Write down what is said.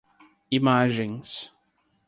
imagens